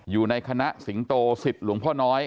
อยู่ในคณะสิงโตสิทธิ์หลวงพ่อน้อย